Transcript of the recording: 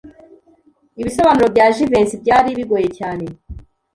Ibisobanuro bya Jivency byari bigoye cyane.